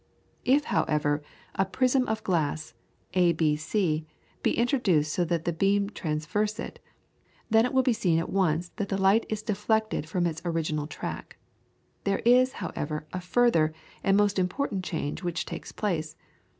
If, however, a prism of glass, A B C, be introduced so that the beam traverse it, then it will be seen at once that the light is deflected from its original track. There is, however, a further and most important change which takes place.